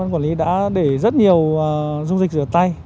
quản lý đã để rất nhiều dung dịch rửa tay